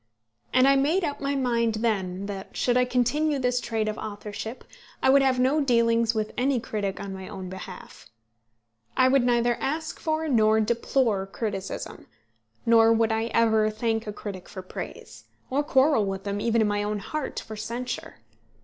And I made up my mind then that, should I continue this trade of authorship, I would have no dealings with any critic on my own behalf. I would neither ask for nor deplore criticism, nor would I ever thank a critic for praise, or quarrel with him, even in my own heart, for censure.